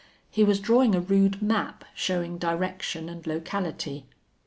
He was drawing a rude map showing direction and locality.